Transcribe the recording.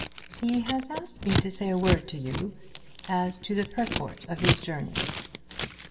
"He has asked me to say a word to you, as to the purport of his journey."